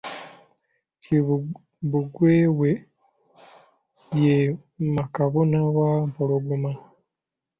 Kimbugwe we ye Makabano wa Mpologoma.